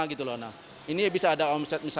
ini bisa ada omzet